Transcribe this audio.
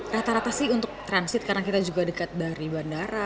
rata rata sih untuk transit karena kita juga dekat dari bandara